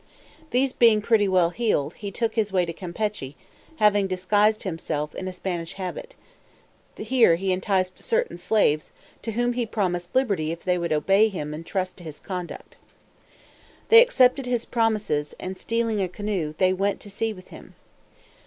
These being pretty well healed, he took his way to Campechy, having disguised himself in a Spanish habit; here he enticed certain slaves, to whom he promised liberty if they would obey him and trust to his conduct. They accepted his promises, and stealing a canoe, they went to sea with him.